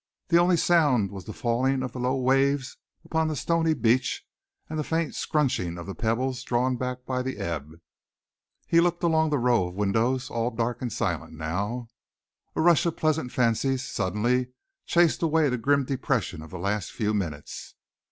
The only sound was the falling of the low waves upon the stony beach and the faint scrunching of the pebbles drawn back by the ebb. He looked along the row of windows, all dark and silent now. A rush of pleasant fancies suddenly chased away the grim depression of the last few minutes.